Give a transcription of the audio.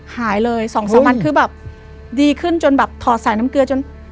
หายเลย๒๓วันคือแบบดีขึ้นจนแบบถอดสายน้ำเกลือจน